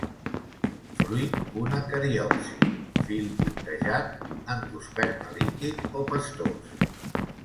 Fruit una cariopsi; fil puntejat; endosperma líquid o pastós.